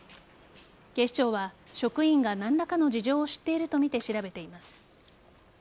警視庁は職員が何らかの事情を知っているとみて調べています。